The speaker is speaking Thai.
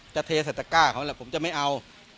เทใส่ตะก้าเขาแหละผมจะไม่เอา